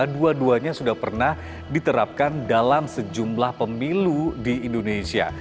dua duanya sudah pernah diterapkan dalam sejumlah pemilu di indonesia